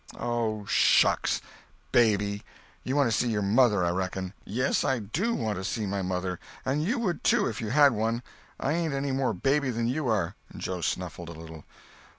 "Oh, shucks! Baby! You want to see your mother, I reckon." "Yes, I do want to see my mother—and you would, too, if you had one. I ain't any more baby than you are." And Joe snuffled a little.